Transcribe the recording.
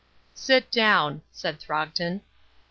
"Sit down," said Throgton.